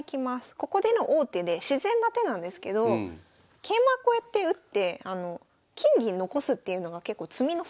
ここでの王手で自然な手なんですけど桂馬こうやって打って金銀残すっていうのが結構詰みのセオリーです。